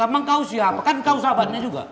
emang kau siapa kan kau sahabatnya juga